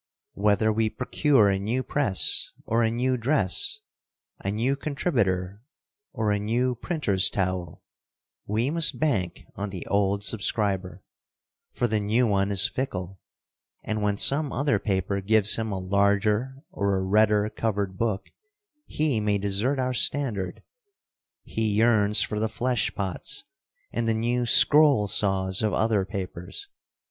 Whether we procure a new press or a new dress, a new contributor or a new printers' towel, we must bank on the old subscriber; for the new one is fickle, and when some other paper gives him a larger or a redder covered book, he may desert our standard. He yearns for the flesh pots and the new scroll saws of other papers.